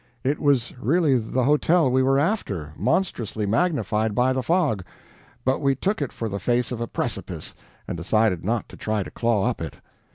It was really the hotel we were after, monstrously magnified by the fog, but we took it for the face of a precipice, and decided not to try to claw up it.